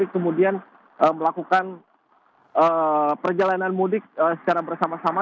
kemudian melakukan perjalanan mudik secara bersama sama